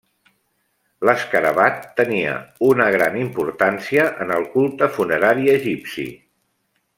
L'escarabat tenia una gran importància en el culte funerari egipci.